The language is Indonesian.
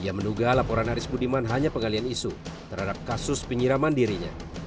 yang menunggu aris budiman hanya pengalian isu terhadap kasus penyiraman dirinya